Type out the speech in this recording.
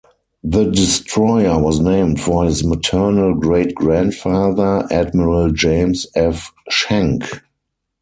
The destroyer was named for his maternal great-grandfather, Admiral James F. Schenck.